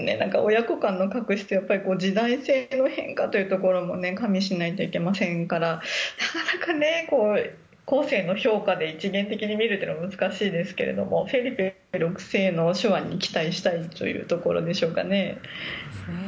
親子間の確執ってやっぱり時代性の変化というところも加味しないといけませんからなかなか後世の評価で一元的に見るのは難しいですけれどもフェリペ６世の手腕に期待したいというところでしょうかね。